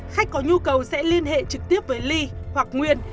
khách có nhu cầu sẽ liên hệ trực tiếp với ly hoặc nguyên